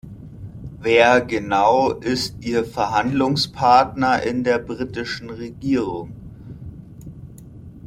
Wer genau ist Ihr Verhandlungspartner in der britischen Regierung?